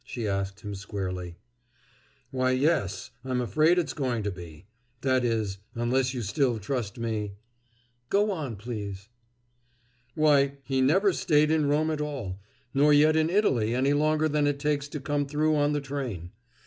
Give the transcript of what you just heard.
she asked him squarely. "Why, yes, I'm afraid it's going to be. That is, unless you'll still trust me " "Go on, please." "Why, he never stayed in Rome at all, nor yet in Italy any longer than it takes to come through on the train.